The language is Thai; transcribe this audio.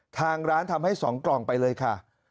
ทางร้านทำให้๒กล่องไปเลยค่ะ